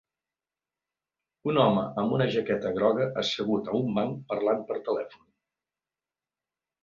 Un home amb una jaqueta groga assegut a un banc parlant per telèfon.